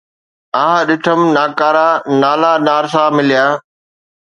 آھ ڏٺم ناڪارا نالا نارسا مليا